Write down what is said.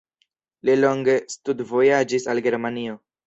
Li longe studvojaĝis al Germanio.